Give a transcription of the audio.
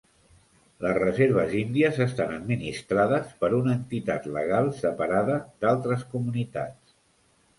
Les reserves índies estan administrades per una entitat legal separada d'altres comunitats.